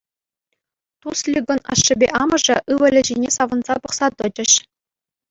Тусликӑн ашшӗпе амӑшӗ ывӑлӗ ҫине савӑнса пӑхса тӑчӗҫ.